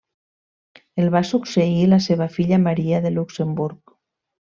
El va succeir la seva filla Maria de Luxemburg.